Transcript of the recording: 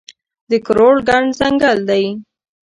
د کروړو ګڼ ځنګل دی